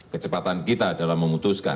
kecepatan kita dalam memutuskan